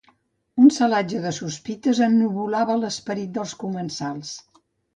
Un celatge de sospites ennuvolava l'esperit dels comensals.